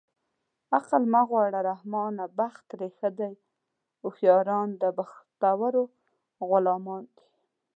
عقل مه غواړه رحمانه بخت ترې ښه دی هوښیاران د بختورو غلامان دي